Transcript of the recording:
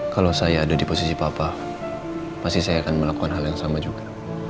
kalau saya ada di posisi papa pasti saya akan melakukan hal yang sama juga